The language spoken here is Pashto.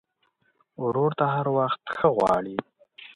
ورور ته هر وخت ښه غواړې.